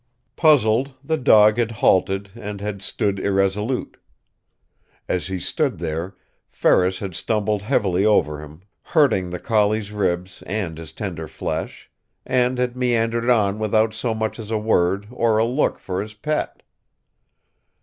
Puzzled, the dog had halted and had stood irresolute. As he stood there, Ferris had stumbled heavily over him, hurting the collie's ribs and his tender flesh; and had meandered on without so much as a word or a look for his pet.